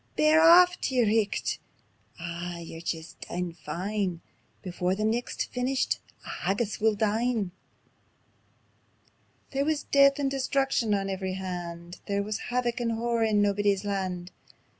Bear aff tae yer richt. ... Aw yer jist daein' fine: Before the nicht's feenished on haggis we'll dine." There wis death and destruction on every hand; There wis havoc and horror on Naebuddy's Land.